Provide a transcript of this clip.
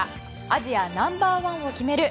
アジアナンバー１を決める